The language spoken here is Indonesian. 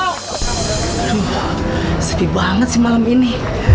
aduh sedih banget sih malam ini